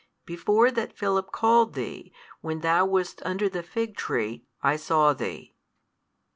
Before that Philip called thee, when thou wast under the fig tree, I saw thee.